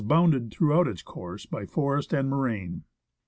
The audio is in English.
bounded throughout its course by forest and moraine.